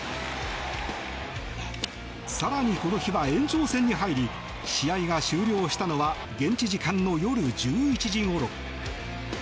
更にこの日は延長戦に入り試合が終了したのは現地時間の夜１１時ごろ。